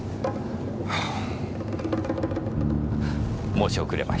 申し遅れました。